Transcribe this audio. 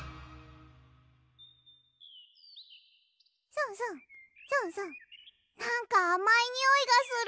スンスンスンスンなんかあまいにおいがする。